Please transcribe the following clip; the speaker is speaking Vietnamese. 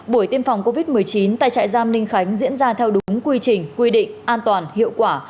buổi tiêm phòng covid một mươi chín tại trại giam ninh khánh diễn ra theo đúng quy trình quy định an toàn hiệu quả